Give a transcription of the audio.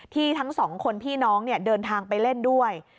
ทั้งสองคนพี่น้องเดินทางไปเล่นด้วย